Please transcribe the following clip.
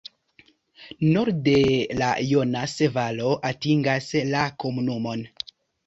Norde la Jonas-valo atingas la komunumon.